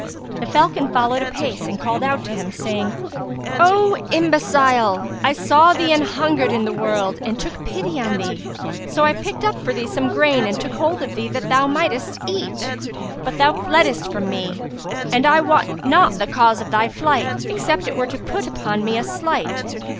The falcon followed apace and called out to him, saying, "O imbecile, I saw thee an hungered in the wold and took pity on thee; so I picked up for thee some grain and took hold of thee that thou mightest eat; but thou fleddest from me; and I wot not the cause of thy flight, except it were to put upon me a slight.